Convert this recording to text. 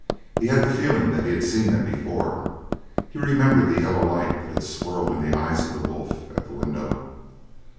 He had the feeling that he had seen them before; he remembered the yellow light that had swirled in the eyes of the wolf at the window.